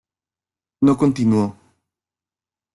No continuó".